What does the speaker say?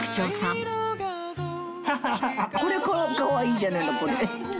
これ、かわいいじゃないの、これ。